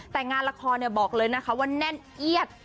แต่งานละครบอกเลยนะคะว่าแน่นเอียด